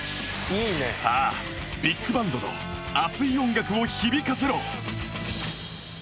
さあビッグバンドの熱い音楽を響かせろ！